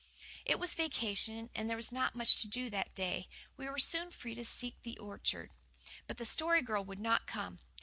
It was vacation, and there was not much to do that day; we were soon free to seek the orchard. But the Story Girl would not come.